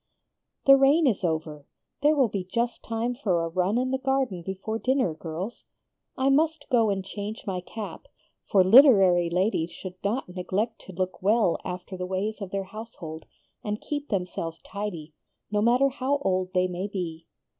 "The rain is over; there will be just time for a run in the garden before dinner, girls. I must go and change my cap, for literary ladies should not neglect to look well after the ways of their household and keep themseves tidy, no matter how old they may be."